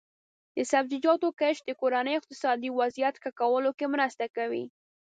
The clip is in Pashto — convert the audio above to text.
د سبزیجاتو کښت د کورنیو اقتصادي وضعیت ښه کولو کې مرسته کوي.